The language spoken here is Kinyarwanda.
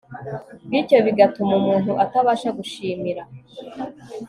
Bityo bigatuma umuntu atabasha gushimira